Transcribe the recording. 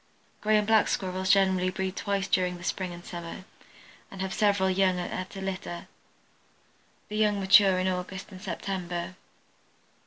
Gray and Black Squirrels generally breed twice during the spring and summer, and have several young at a litter. The young mature in August and September.